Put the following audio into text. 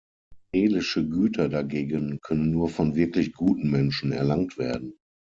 Seelische Güter dagegen können nur von wirklich guten Menschen erlangt werden.